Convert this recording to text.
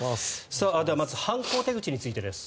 ではまず犯行手口についてです。